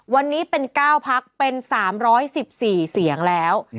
วันนี้เป็น๙พักเป็น๓๑๔เสียงแล้ว